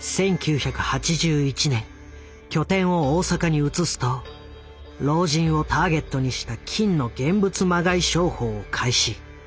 １９８１年拠点を大阪に移すと老人をターゲットにした金の現物まがい商法を開始。